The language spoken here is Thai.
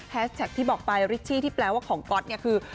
แฮสแท็กที่บอกปลายที่แปลว่าของก็อตเนี้ยคือ